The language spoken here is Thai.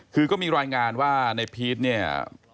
คือก็มีรายงานว่าในพีชเนี่ย